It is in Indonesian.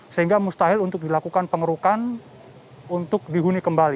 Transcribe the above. sehingga mustahil untuk dilakukan pengerukan untuk dihuni kembali